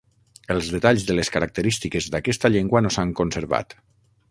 Els detalls de les característiques d'aquesta llengua no s'han conservat.